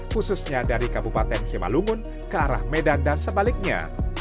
khususnya dari kabupaten simalungun ke arah medan dan sebaliknya